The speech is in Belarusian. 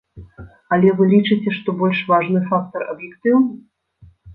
Але вы лічыце, што больш важны фактар аб'ектыўны?